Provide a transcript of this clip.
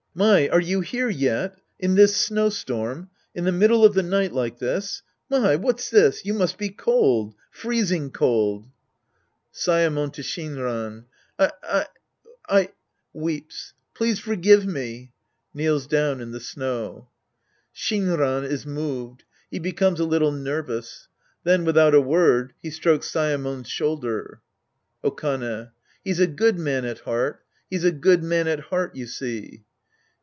My, are you here yet? In this snow storm ? In the middle of the night like this ? My, what's this ? You must be cold. Freezing cold. Sc. II The Priest and His Disciples 43 Saemon (io Shinran). I — I — (Weeps.) Please forgive me. (Jijieels doivn in the snow.) (Shinran is moved. He becomes a little nervous. Then without a word, he strokes Saemon's shoulder^ Okane. He's a good man at heart. He's a good man at heart, you see.